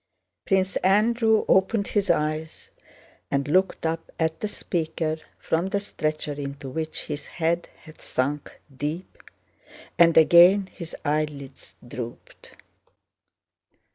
Prince Andrew opened his eyes and looked up at the speaker from the stretcher into which his head had sunk deep and again his eyelids drooped.